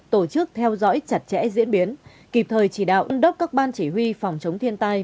tổ chức theo dõi chặt chẽ diễn biến kịp thời chỉ đạo ân đốc các ban chỉ huy phòng chống thiên tai